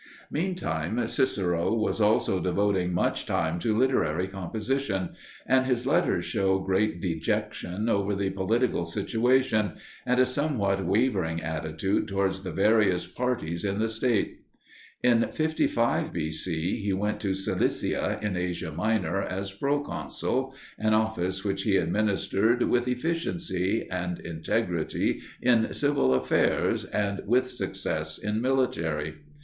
Meantime, Cicero was also devoting much time to literary composition, and his letters show great dejection over the political situation, and a somewhat wavering attitude towards the various parties in the state. In 55 B. C. he went to Cilicia in Asia Minor as proconsul, an office which he administered with efficiency and integrity in civil affairs and with success in military.